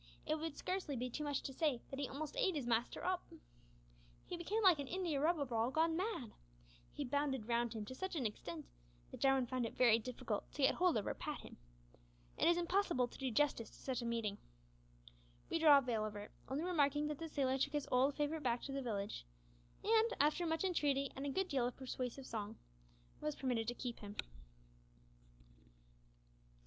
It would scarcely be too much to say that he almost ate his master up. He became like an india rubber ball gone mad! He bounded round him to such an extent that Jarwin found it very difficult to get hold of or pat him. It is impossible to do justice to such a meeting. We draw a veil over it, only remarking that the sailor took his old favourite back to the village, and, after much entreaty and a good deal of persuasive song, was permitted to keep him.